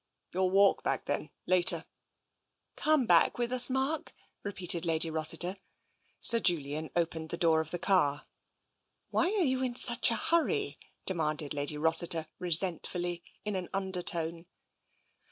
" You'll walk back then, later? " TENSION 237 " Come back with us, Mark," repeated Lady Ros siter. Sir Julian opened the door of the car. " Why are you in such a hurry? " demanded Lady .Rossiter resentfully, in an undertone.